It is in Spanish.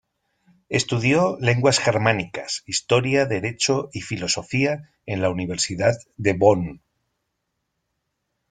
Estudió lenguas germánicas, historia, derecho y filosofía en la Universidad de Bonn.